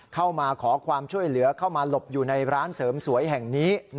เข้ามาขอความช่วยเหลือเข้ามาหลบอยู่ในร้านเสริมสวยแห่งนี้